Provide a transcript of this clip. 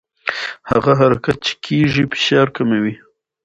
هغه حرکت چې کېږي فشار کموي.